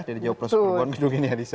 dari jauh proses perubahan gedung ini adisa